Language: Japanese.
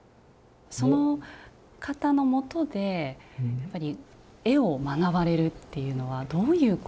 その方のもとでやっぱり絵を学ばれるっていうのはどういうこうお気持ち？